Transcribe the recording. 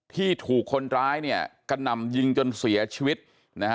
ที่ถูกคนร้ายเนี่ยกระหน่ำยิงจนเสียชีวิตนะฮะ